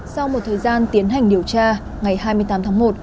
sau một thời gian tiến hành điều tra ngày hai mươi tám tháng một